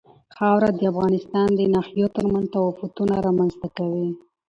خاوره د افغانستان د ناحیو ترمنځ تفاوتونه رامنځ ته کوي.